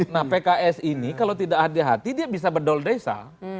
nah pks ini kalau tidak hati hati dia bisa bedol desa